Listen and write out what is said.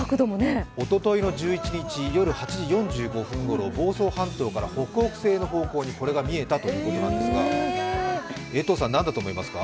おとといの１１日、夜８時４５分ごろ、房総半島から北北西の方向にこれが見えたということなんですが、江藤さん、何だと思いますか？